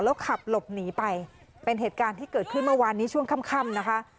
แล้วขับหลบหนีไปเป็นเหตุการณ์ที่เกิดขึ้นเมื่อวานนี้ช่วงค่ำนะคะ